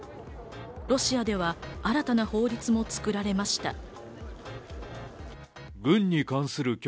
ロシアでは新たな法律も作られました。